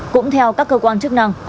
cũng theo các cơ quan chức năng